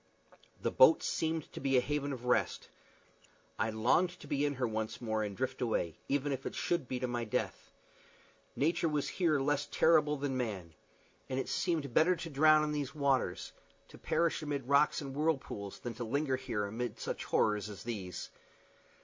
The boat seemed to be a haven of rest. I longed to be in her once more, and drift away, even if it should be to my death. Nature was here less terrible than man; and it seemed better to drown in the waters, to perish amid rocks and whirlpools, than to linger here amid such horrors as these.